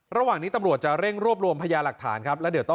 ระหว่างนี้ตำรวจจะเร่งรวบรวมพญาหลักฐานและ